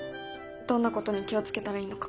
どんなことに気を付けたらいいのか。